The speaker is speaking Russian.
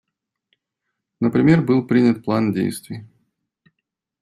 Например, был принят План действий.